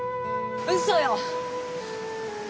嘘よ！